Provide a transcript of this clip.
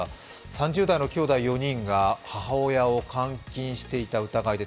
３０代のきょうだい４人が母親を監禁していた疑いで